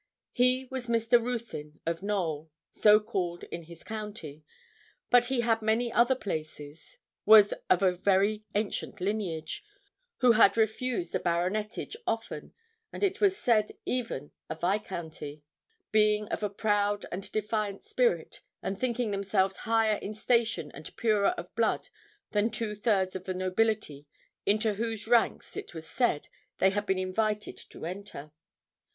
He was Mr. Ruthyn, of Knowl, so called in his county, but he had many other places, was of a very ancient lineage, who had refused a baronetage often, and it was said even a viscounty, being of a proud and defiant spirit, and thinking themselves higher in station and purer of blood than two thirds of the nobility into whose ranks, it was said, they had been invited to enter.